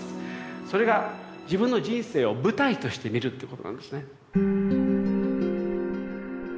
それが自分の人生を舞台として見るということなんですね。